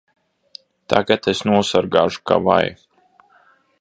Tagad es nosargāšu ka vai!